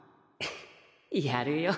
やるよ。